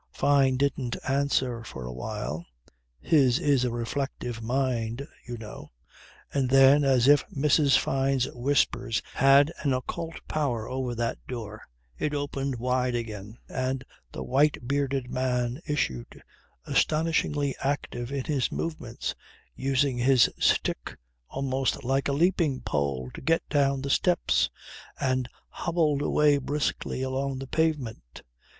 Fyne didn't answer for a while (his is a reflective mind, you know), and then as if Mrs. Fyne's whispers had an occult power over that door it opened wide again and the white bearded man issued, astonishingly active in his movements, using his stick almost like a leaping pole to get down the steps; and hobbled away briskly along the pavement.